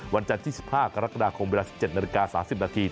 วันจันทร์ที่๑๕กรกฎาคมเวลา๑๗นาฬิกา๓๐นาที